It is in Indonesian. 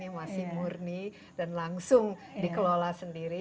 yang masih murni dan langsung dikelola sendiri